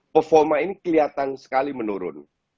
performa ini kelihatan sekali menurun